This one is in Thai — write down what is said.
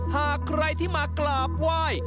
หากใครที่มากราบไหว้